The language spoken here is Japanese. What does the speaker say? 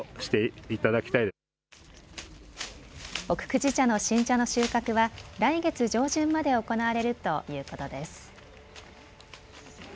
久慈茶の新茶の収穫は来月上旬まで行われるということです。